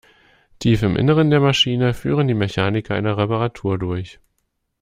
Tief im Innern der Maschine führen die Mechaniker eine Reparatur durch.